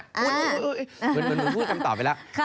อุ๊ยผมมึงพูดคำตอบไปแล้ว